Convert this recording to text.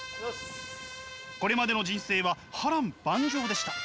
これまでの人生は波乱万丈でした。